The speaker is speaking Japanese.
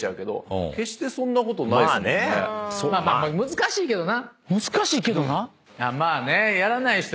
難しいけどな？